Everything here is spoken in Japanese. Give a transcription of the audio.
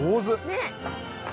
ねっ！